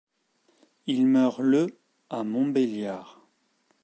Il meurt le à Montbéliard.